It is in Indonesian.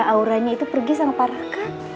auranya itu pergi sama paraka